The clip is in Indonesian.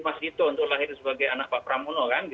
mas dito untuk lahir sebagai anak pak pramuno